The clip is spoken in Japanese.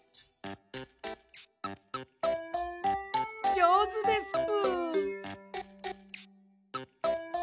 じょうずですぷ。